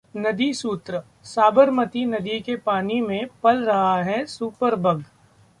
नदीसूत्रः साबरमती नदी के पानी में पल रहा है सुपरबग